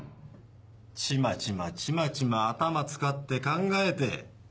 ちまちまちまちま頭使って考えて。